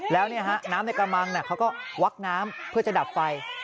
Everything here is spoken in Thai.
แล้วน้ำในกระมังเขาก็วักน้ำเพื่อจะดับไฟ